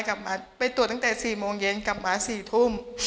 กลับมาไปตรวจตั้งแต่๔โมงเย็นกลับมา๔ทุ่ม